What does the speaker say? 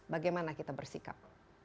bagaimana kita bersikap